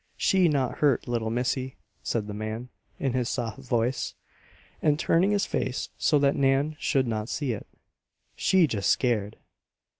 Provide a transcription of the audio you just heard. "She not hurt, Little missy," said the man, in his soft voice, and turning his face so that Nan should not see it. "She just scared."